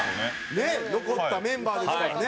ねっ残ったメンバーですからね。